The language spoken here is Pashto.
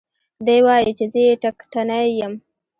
دى وايي چې زه يې ټکټنى يم.